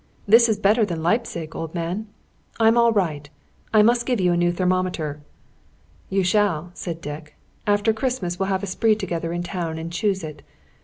"This is better than Leipzig, old man. I'm all right. I must give you a new thermometer!" "You shall," said Dick. "After Christmas we'll have a spree together in town and choose it.